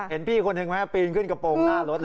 เห็นพี่คนหนึ่งไหมปีนขึ้นกระโปรงหน้ารถเลย